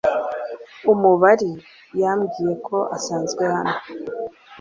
Umubari yambwiye ko usanzwe hano.